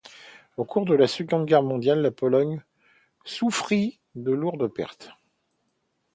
Au cours de la Seconde Guerre mondiale, la Pologne souffrit de lourdes pertes.